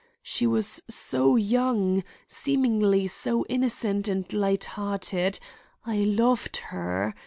She was so young, seemingly so innocent and light hearted. I loved her!